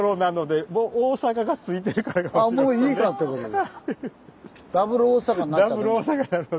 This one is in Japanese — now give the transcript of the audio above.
まあああもういいかってことで。